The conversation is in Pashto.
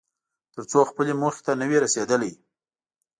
تر څو خپلې موخې ته نه وې رسېدلی.